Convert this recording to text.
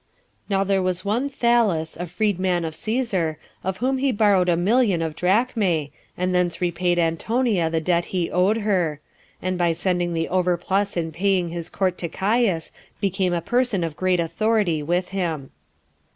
Now there was one Thallus, a freed man of Cæsar, of whom he borrowed a million of drachmae, and thence repaid Antonia the debt he owed her; and by sending the overplus in paying his court to Caius, became a person of great authority with him.